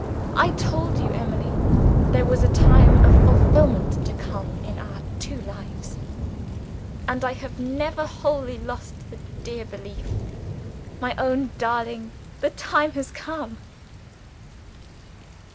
I told you, Emily, there was a time of fulfillment to come in our two lives; and I have never wholly lost the dear belief. My own darling, the time has come!"